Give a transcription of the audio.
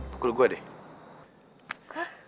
pukul gue deh